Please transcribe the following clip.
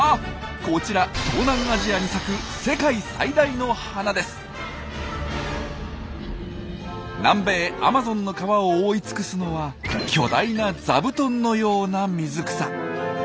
こちら東南アジアに咲く南米アマゾンの川を覆い尽くすのは巨大な座布団のような水草。